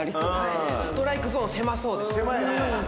ストライクゾーン狭そうです。